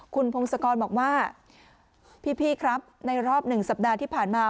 คุณพงศกรบอกว่าพี่ครับในรอบ๑สัปดาห์ที่ผ่านมา